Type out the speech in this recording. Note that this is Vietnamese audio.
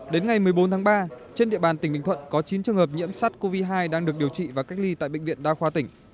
đến ngày một mươi bốn tháng ba trên địa bàn tỉnh bình thuận có chín trường hợp nhiễm sars cov hai đang được điều trị và cách ly tại bệnh viện đa khoa tỉnh